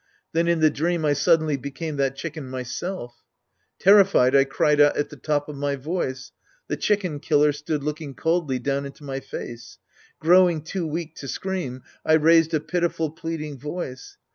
Then in the dream I suddenly became that chicken myself Terrified, I cried out at the top of my voice. The chicken killer stood looking coldly down into my face. Growing^ too weak to scream, I raised a pitiful, pleading voice.